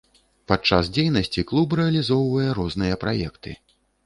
Падчас дзейнасці клуб рэалізоўвае розныя праекты.